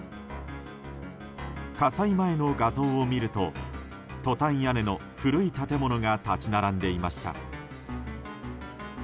火災前の画像を見るとトタン屋根の古い建物が立ち並んでいました。